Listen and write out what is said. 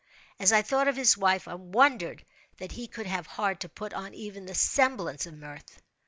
—as I thought of his wife, I wondered that he could have heart to put on even the semblance of mirth.